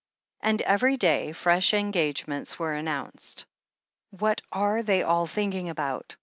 And every day fresh engagements were announced. "What are they all thinking about?"